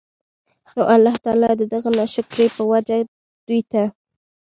نو الله تعالی د دغه ناشکرۍ په وجه دوی ته